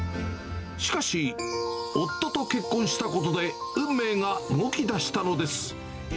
しかし、夫と結婚したことで運命が動きだしたのです。